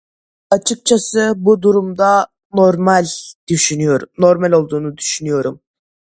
Açıkçası bu durumda normal düşünüyorum, normal olduğunu düşünüyorum.